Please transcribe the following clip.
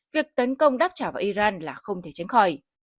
việc tấn công đáp trả vào iran là không thể tránh khỏi